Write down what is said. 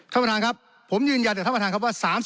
ท่านประธานครับผมยืนยันกับท่านประธานครับว่า